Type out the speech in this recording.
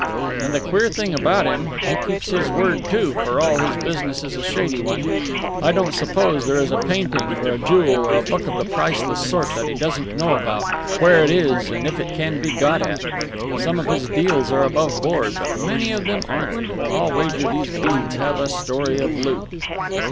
"And the queer thing about him, he keeps his word, too, for all his business is a shady one. I don't suppose there is a painting or a jewel or a book of the priceless sort that he doesn't know about, where it is and if it can be got at. Some of his deals are aboveboard, but many of them aren't. I'll wager these beads have a story of loot."